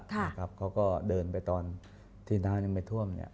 เขาก็เดินไปตอนที่น้ำยังไม่ท่วมเนี่ย